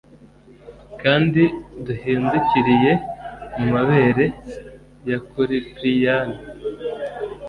Kandi duhindukiriye mumabere ya Kuprian,